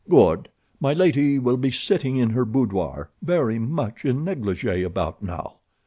"Good! My lady will be sitting in her boudoir, very much in negligee, about now.